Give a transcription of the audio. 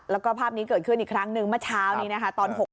แล้วก็ภาพนี้เกิดขึ้นอีกครั้งหนึ่งเมื่อเช้านี้นะคะตอน๖โมง